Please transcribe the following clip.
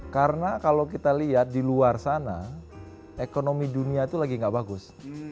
karena kalau kita lihat di luar sana ekonomi dunia itu lagi nggak bagus